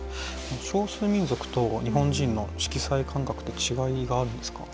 少数民族と日本人の色彩感覚って違いがあるんですか？